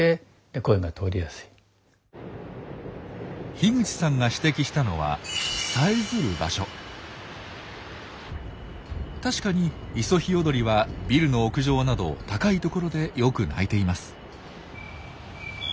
樋口さんが指摘したのは確かにイソヒヨドリはビルの屋上など高いところでよく鳴いています。